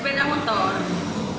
berapa orang pelakunya